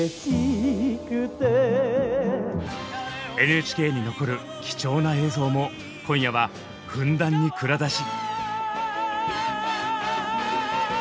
ＮＨＫに残る貴重な映像も今夜はふんだんに蔵出し。